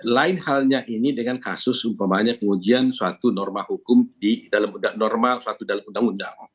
lain halnya ini dengan kasus umpamanya pengujian suatu norma hukum suatu dalam undang undang